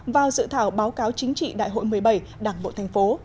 vào dự thảo báo cáo chính trị đại hội một mươi bảy đảng bộ thành phố